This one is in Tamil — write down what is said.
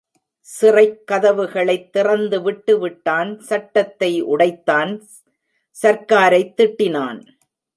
சிறைக் கதவுகளைத் திறந்துவிட்டு விட்டான், சட்டத்தை உடைத்தான், சர்க்காரைத் திட்டினான்.